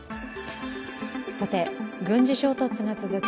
軍事衝突が続く